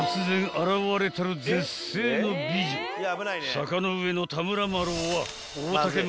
［坂上田村麻呂は］